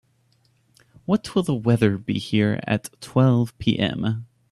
What will the weather be here at twelve P.m.?